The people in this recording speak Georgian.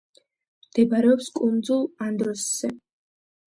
მდებარეობს კუნძულ ანდროსზე.